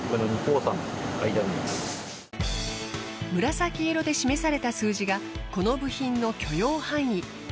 紫色で示された数字がこの部品の許容範囲。